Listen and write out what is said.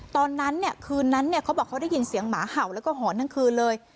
ตอนนั้นเนี่ยคืนนั้นเขาบอกเขาได้ยินเสียงหมาเห่าแล้วก็หอนทั้งคืนเลย